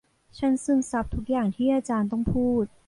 ฉันซึมซับทุกอย่างที่อาจารย์ต้องพูด